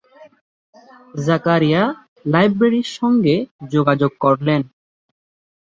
জাকারিয়া লাইব্রেরির সঙ্গে যোগাযোগ করলেন।